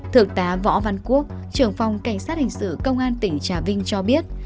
thượng tá võ văn quốc trưởng phòng cảnh sát hình sự công an tỉnh trà vinh cho biết